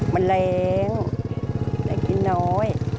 มะแรงได้กินน้อย